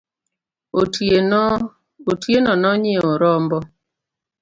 Otieno nonyiewo rombo